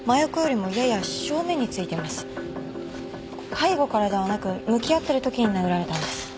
背後からではなく向き合ってるときに殴られたんです。